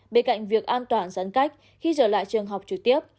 bên cạnh việc an toàn giãn cách khi trở lại trường học trực tiếp